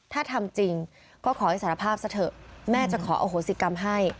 ถ้าทำจริงก็ขอให้สารภาพซะเถอะแม่จะขออโหสิกรรมให้